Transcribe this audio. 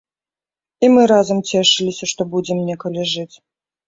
І мы разам цешыліся, што будзем некалі жыць.